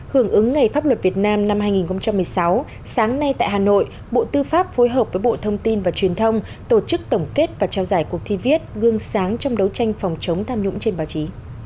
hưởng ứng ngày pháp luật việt nam năm hai nghìn một mươi sáu sáng nay tại hà nội bộ tư pháp phối hợp với bộ thông tin và truyền thông tổ chức tổng kết và trao giải cuộc thi viết gương sáng trong đấu tranh phòng chống tham nhũng trên báo chí